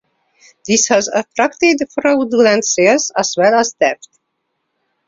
This has attracted fraudulent sales as well as theft.